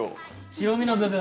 白身の部分。